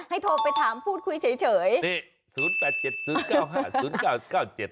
ให้โทรไปถามพูดคุยเฉย